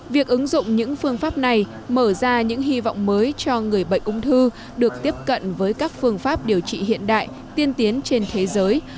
việc ứng dụng những phương pháp này mở ra những hy vọng mới cho người bệnh ung thư được tiếp cận với các phương pháp điều trị hiện đại tiên tiến trên thế giới